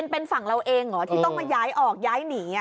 เป็นฝั่งเราเองเหรอที่ต้องมาย้ายออกย้ายหนี